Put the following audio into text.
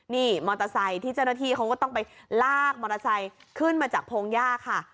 นี่มอเตอร์ไซค์ที่เจ้าหน้าที่เขาก็ต้องไปลากมอเตอร์ไซค์ขึ้นมาจากพงหญ้าค่ะ